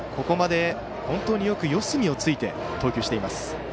ここまで本当によく四隅を突いて投球しています。